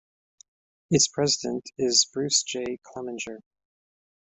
Its President is Bruce J. Clemenger.